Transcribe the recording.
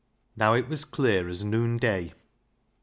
Now it was clear as noonday.